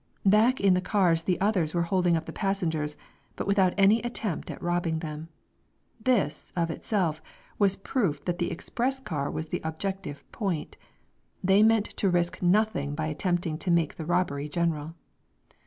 Back in the cars the others were holding up the passengers, but without any attempt at robbing them. This, of itself, was proof that the express car was the objective point; they meant to risk nothing by attempting to make the robbery general.